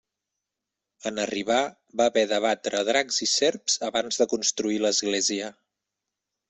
En arribar va haver d'abatre dracs i serps abans de construir l'església.